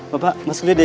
bapak masuk deh ya